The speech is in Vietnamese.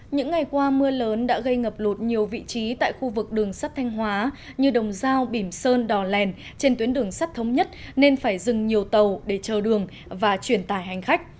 những ngày qua mưa lớn đã gây ngập lụt nhiều vị trí tại khu vực đường sắt thanh hóa như đồng giao bỉm sơn đò lèn trên tuyến đường sắt thống nhất nên phải dừng nhiều tàu để chờ đường và chuyển tải hành khách